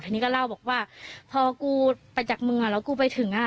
อันนี้ก็เล่าบอกว่าพอกูไปจากเมืองแล้วกูไปถึงอ่ะ